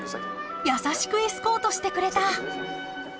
優しくエスコートしてくれた。